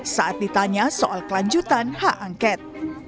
saat ditanya soal kelanjutan hak angket